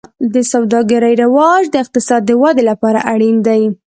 د سوداګرۍ رواج د اقتصاد د ودې لپاره اړین دی.